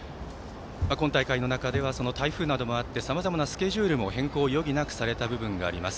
今大会の中では台風などもあってさまざまなスケジュールも変更を余儀なくされた部分があります。